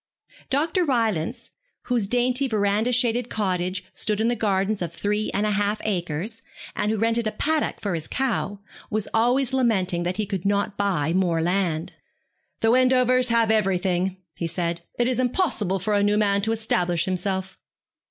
Dr. Rylance, whose dainty verandah shaded cottage stood in gardens of three and a half acres, and who rented a paddock for his cow, was always lamenting that he could not buy more land. 'The Wendovers have everything,' he said. 'It is impossible for a new man to establish himself.'